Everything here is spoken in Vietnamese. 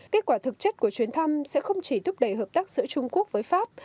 kết quả thực chất của chuyến thăm sẽ không chỉ thúc đẩy hợp tác giữa trung quốc với pháp